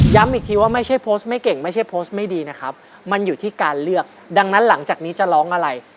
อีกทีว่าไม่ใช่โพสต์ไม่เก่งไม่ใช่โพสต์ไม่ดีนะครับมันอยู่ที่การเลือกดังนั้นหลังจากนี้จะร้องอะไร